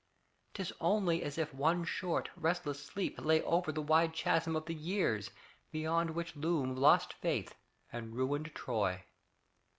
'Tis only as if one short, restless sleep Lay over the wide chasm of the years Beyond which loom lost faith and ruined Troy.